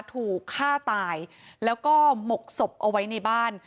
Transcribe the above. ถูกฆ่าตายแล้วก็หมกศพเอาไว้ในบ้าน